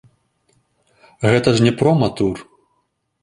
Гэта ж не прома-тур.